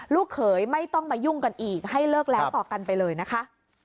เขยไม่ต้องมายุ่งกันอีกให้เลิกแล้วต่อกันไปเลยนะคะ